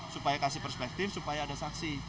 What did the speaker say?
supaya kasih perspektif supaya ada saksi